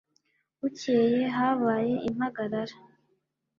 Bukeye habaye impagarara.